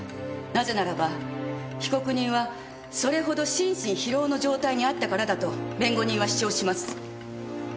なぜならば被告人はそれほど心身疲労の状態にあったからだと弁護人は主張します。